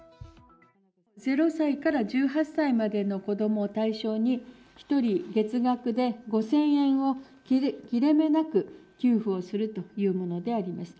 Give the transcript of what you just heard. ０歳から１８歳までの子どもを対象に、１人月額で５０００円を切れ目なく給付をするというものであります。